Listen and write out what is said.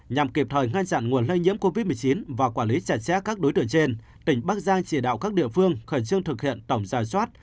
nhằm kịp thời ngăn chặn nguồn lây nhiễm covid một mươi chín và quản lý chặt chẽ các đối tượng trên tỉnh bắc giang chỉ đạo các địa phương khẩn trương thực hiện tổng giả soát